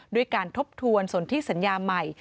ด้วยการทบทวนสนที่สัญญาใหม่